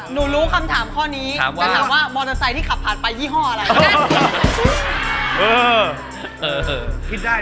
หนูรู้คำถามข้อนี้จะถามว่ามอเตอร์ไซค์ที่ขับผ่านไปยี่ห้ออะไร